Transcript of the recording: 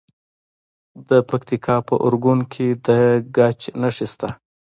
د پکتیکا په ارګون کې د ګچ نښې شته.